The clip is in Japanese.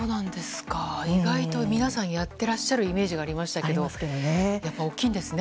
意外と皆さんやっていらっしゃるイメージがありますがやっぱり大きいんですね